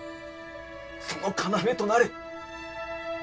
その要となれ。